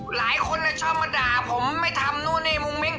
หลายคนชอบมาด่าผมไม่ทำนู่นนี่มุ้งมิ้ง